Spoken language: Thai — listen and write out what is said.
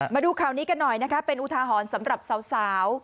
มาดูข่าวนี้กันหน่อยนะคะเป็นอุทาหรณ์สำหรับสาว